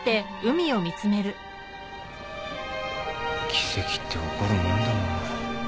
奇跡って起こるもんだな。